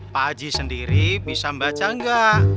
pak haji sendiri bisa membaca nggak